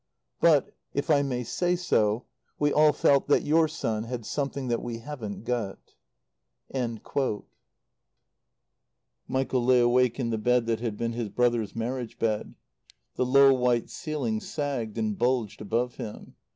But, if I may say so, we all felt that your son had something that we haven't got...." Michael lay awake in the bed that had been his brother's marriage bed. The low white ceiling sagged and bulged above him.